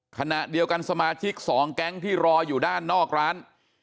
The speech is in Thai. ขณะเดียวกันสมาชิก๒แก๊งที่รออยู่ด้านนอกร้าน